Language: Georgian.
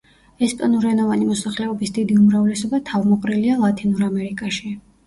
ესპანურენოვანი მოსახლეობის დიდი უმრავლესობა თავმოყრილია ლათინურ ამერიკაში.